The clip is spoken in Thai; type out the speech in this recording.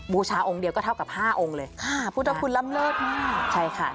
บูชาองค์เดียวก็เท่ากับ๕องค์เลยนะคะพุทธภูมิรำเนิดมาก